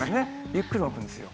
ゆっくり動くんですよ。